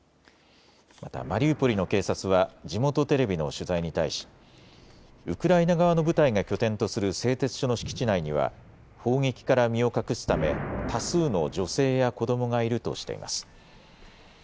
またマリウポリの警察は地元テレビの取材に対しウクライナ側の部隊が拠点とする製鉄所の敷地内には砲撃から身を隠すため多数の女性や子どもがいるとしています。